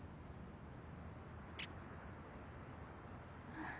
あっ。